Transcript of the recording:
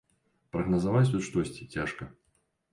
Прагназаваць тут штосьці цяжка.